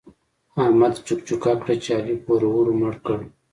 احمد چوک چوکه کړه چې علي پوروړو مړ کړ.